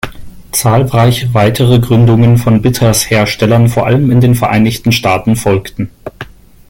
Zahlreiche weitere Gründungen von Bitters-Herstellern vor allem in den Vereinigten Staaten folgten.